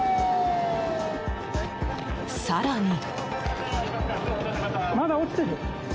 更に。